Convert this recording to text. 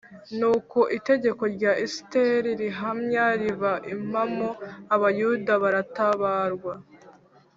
Nuko itegeko rya Esiteri rihamya riba impamo abayuda baratabarwa